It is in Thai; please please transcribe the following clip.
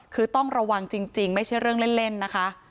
คือต้องระวังจริงไม่ใช่เรื่องเล่นนะคะ